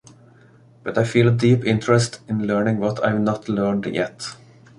But I feel a deep interest in learning what I've not learned yet.